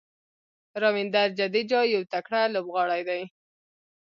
راوېندر جډیجا یو تکړه لوبغاړی دئ.